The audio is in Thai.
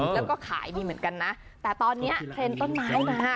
แล้วก็ขายดีเหมือนกันนะแต่ตอนนี้เทรนด์ต้นไม้มา